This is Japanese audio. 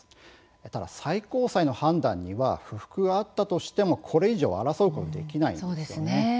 ただ最高裁の判断に不服があったとしても、これ以上争うことはできないんですね。